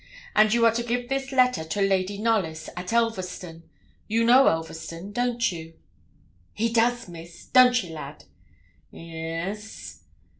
'And you are to give this letter to Lady Knollys, at Elverston; you know Elverston, don't you?' 'He does, Miss. Don't ye, lad?' 'E'es.'